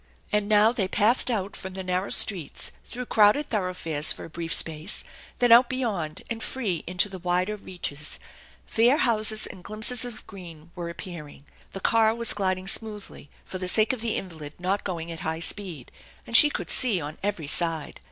And now they passed out from the narrow streets, through crowded thoroughfares for a brief space, then out beyond, ar.d free, into the wider reaches. Fair houses and glimpsed THE ENCHANTED BARN 131 of green were appearing. The car was gliding smoothly, for the sake of the invalid not going at high speed; and she could see on every side.